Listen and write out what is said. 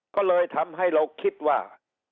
ก็เลยทำให้เราคิดว่า